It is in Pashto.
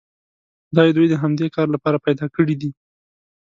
خدای دوی د همدې کار لپاره پیدا کړي دي.